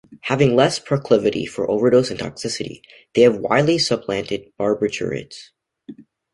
Having less proclivity for overdose and toxicity, they have widely supplanted barbiturates.